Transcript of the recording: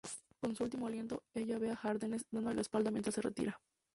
Con su último aliento, ella ve a Jerjes dándole la espalda mientras se retira.